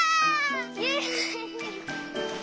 イエイ！